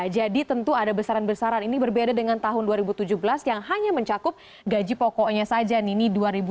jadi tentu ada besaran besaran ini berbeda dengan tahun dua ribu tujuh belas yang hanya mencakup gaji pokoknya saja ini dua ribu tujuh belas